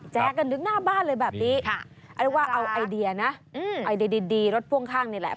แกกันนึกหน้าบ้านเลยแบบนี้เรียกว่าเอาไอเดียนะไอเดียดีรถพ่วงข้างนี่แหละ